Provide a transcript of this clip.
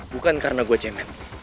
bukan karena gue cemen